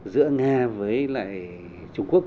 giữa nga với lại trung quốc